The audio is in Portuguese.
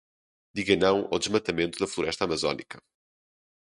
Diga não ao desmatamento da floresta amazônica